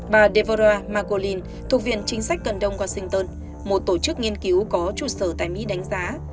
bà devera magoin thuộc viện chính sách cần đông washington một tổ chức nghiên cứu có trụ sở tại mỹ đánh giá